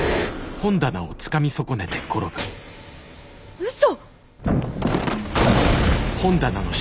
うそ！